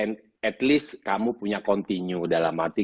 ya it's easy and at least kamu punya continue dalam hati